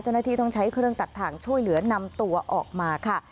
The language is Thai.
เจ้าหน้าที่ต้องใช้เครื่องตัดทางช่วยเหลือนำตัวออกมาค่ะ